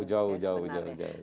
jauh jauh jauh